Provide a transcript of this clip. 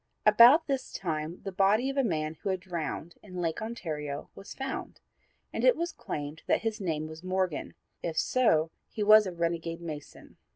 About this time the body of a man who had drowned in Lake Ontario was found, and it was claimed that his name was Morgan; if so, he was a renegade mason.